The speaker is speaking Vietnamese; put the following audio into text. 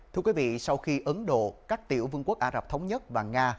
thưa quý vị sau khi ấn độ các tiểu vương quốc ả rập thống nhất và nga